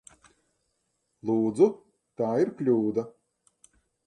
Lūdzu! Tā ir kļūda!